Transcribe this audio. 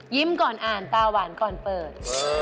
ก่อนอ่านตาหวานก่อนเปิด